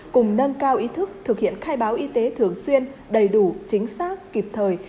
cùng nâng cao ý thức thực hiện khai báo y tế thường xuyên đầy đủ chính xác kịp thời